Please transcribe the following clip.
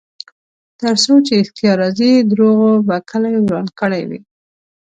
ترڅو چې ریښتیا راځي، دروغو به کلی وران کړی وي.